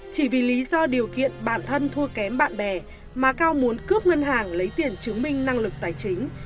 chỉ vì lý do điều kiện bản thân thua kém bạn bè mà cao muốn cướp ngân hàng lấy tiền chứng minh năng lực tài chính